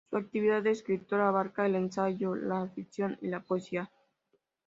Su actividad de escritor abarca el ensayo, la ficción y la poesía.